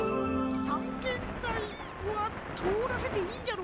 たんけんたいはとおらせていいんじゃろうか？